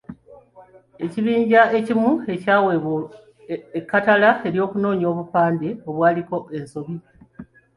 Ekibinja ekimu kyaweebwa ekkatala ly’okunoonya obupande obwaliko ensobi.